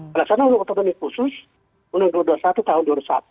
pelaksanaan otonomi khusus u dua puluh satu tahun dua ribu dua puluh satu